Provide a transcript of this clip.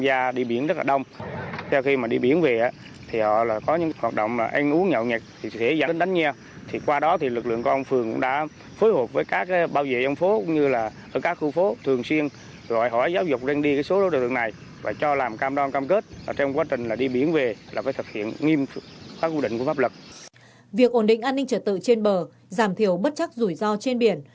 việc ổn định an ninh trật tự trên bờ giảm thiểu bất chắc rủi ro trên biển